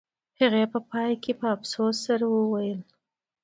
هغې په پای کې د افسوس سره وویل